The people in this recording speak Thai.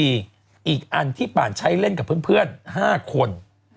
อีกอันที่ป่านใช้เล่นกับเพื่อน๕คน